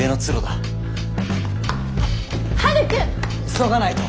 急がないと！